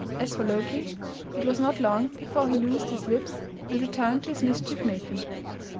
As for Loki, it was not long before he loosed his lips and returned to his mischief making.